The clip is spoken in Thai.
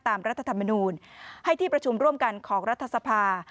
รัฐธรรมนูลให้ที่ประชุมร่วมกันของรัฐสภา